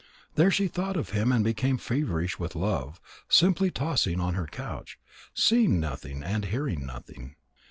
There she thought of him and became feverish with love, simply tossing on her couch, seeing nothing and hearing nothing.